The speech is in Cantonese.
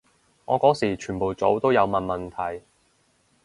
我嗰時全部組都有問問題